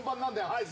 はい。